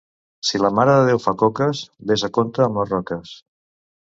Si la Mare de Déu fa coques, ves amb compte amb les roques.